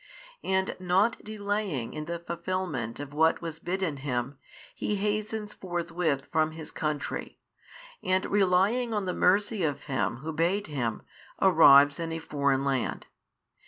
And nought delaying in the fulfilment of what was bidden him, he hastens forthwith from his country, and relying on the mercy of Him who bade him, arrives in a foreign land.